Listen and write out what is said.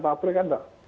pabrik kan enggak